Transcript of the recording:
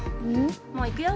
もういくよ。